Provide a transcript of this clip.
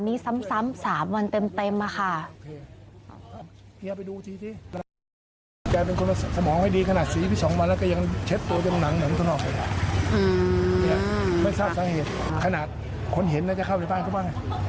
นี่ค่ะไม่ทราบซังเหตุขนาดคนเห็นน่าจะเข้าไปบ้านก็บ้าง